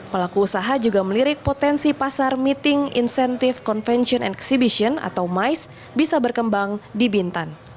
pelaku usaha juga melirik potensi pasar meeting incentive convention exhibition atau mais bisa berkembang di bintan